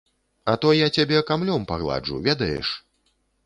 А то я цябе камлём пагладжу, ведаеш?